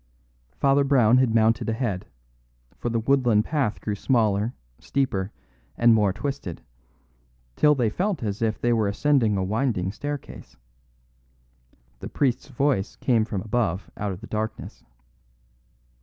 Father Brown had mounted ahead; for the woodland path grew smaller, steeper, and more twisted, till they felt as if they were ascending a winding staircase. The priest's voice came from above out of the darkness.